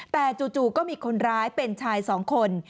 แต่จู่ก็มีคนร้ายเป็นชาย๒คน